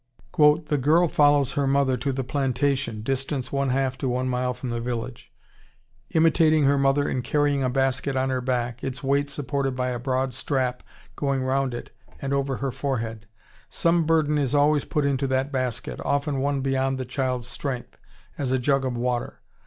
] "The girl follows her mother to the plantation (distance one half to one mile from the village), imitating her mother in carrying a basket on her back, its weight supported by a broad strap going around it and over her forehead. Some burden is always put into that basket, often one beyond the child's strength, as a jug of water.